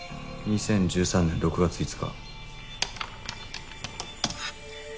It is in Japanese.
２０１３年６月５日。